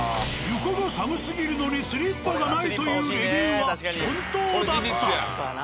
床が寒すぎるのにスリッパがないというレビューは本当だった。